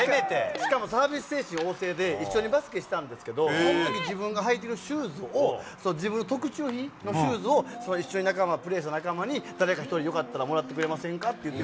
しかもサービス精神旺盛で、一緒にバスケしたんですけど、そのとき履いてる自分のシューズを、自分の特注品のシューズを一緒の仲間に、プレーした仲間に、誰か１人よかったらもらってくれませんかって。